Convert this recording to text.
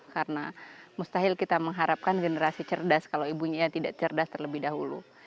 karena mustahil kita mengharapkan generasi cerdas kalau ibunya tidak cerdas terlebih dahulu